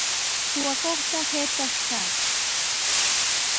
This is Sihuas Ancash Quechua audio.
Suqakuqta saytash kaa.